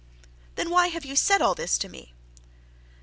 'Then why have you said all this to me?'